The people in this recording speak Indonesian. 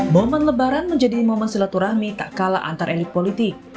momen lebaran menjadi momen silaturahmi tak kalah antar elit politik